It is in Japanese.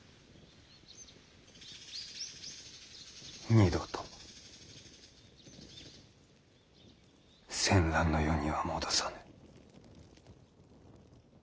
二度と戦乱の世には戻さぬ。